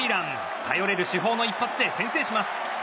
頼れる主砲の一発で先制します。